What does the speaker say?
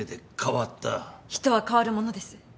人は変わるものです。